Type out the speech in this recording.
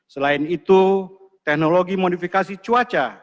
selain itu teknologi modifikasi cuaca